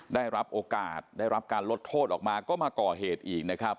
ได้รับโอกาสได้รับการลดโทษออกมาก็มาก่อเหตุอีกนะครับ